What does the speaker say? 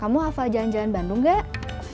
kamu hafal jalan jalan bandung gak